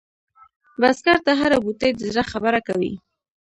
بزګر ته هره بوټۍ د زړه خبره کوي